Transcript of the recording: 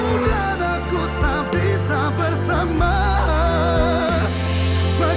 ada yangber gambar